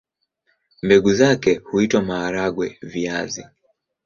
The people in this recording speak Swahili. Mbegu zake huitwa maharagwe-viazi.